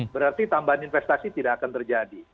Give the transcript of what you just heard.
berarti tambahan investasi tidak akan terjadi